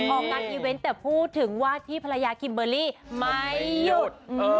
ออกงานอีเวนต์แต่พูดถึงว่าที่ภรรยาคิมเบอร์รี่ไม่หยุด